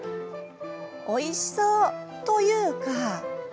おいしそう！というか。